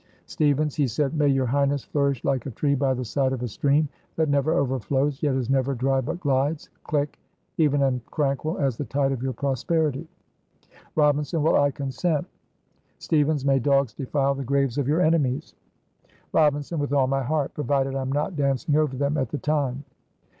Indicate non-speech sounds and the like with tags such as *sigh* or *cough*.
Stevens. "He said, 'May your highness flourish like a tree by the side of a stream that never overflows, yet is never dry, but glides *noise* even and tranquil as the tide of your prosperity '" Robinson. "Well, I consent!" Stevens. "'May dogs defile the graves of your enemies! '" Robinson. "With all my heart! provided I am not dancing over them at the time."